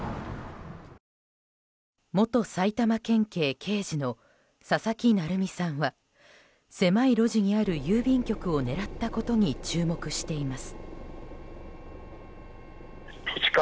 元埼玉県警刑事の佐々木成三さんは狭い路地にある郵便局を狙ったことに注目しています。